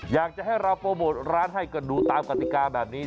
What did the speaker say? อยากจะให้เราโปรโมทร้านให้ก็ดูตามกติกาแบบนี้